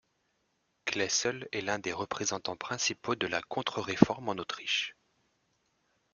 Klesl est l'un des représentants principaux de la Contre-Réforme en Autriche.